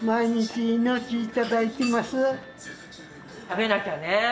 食べなきゃね。